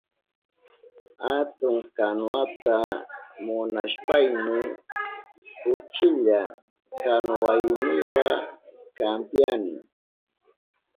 Atun kanuwata munashpayni uchilla kanuwayniwa kampyani.